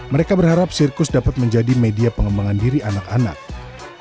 mereka berharap sirkus dapat menjadi media pengembangan diri anak anak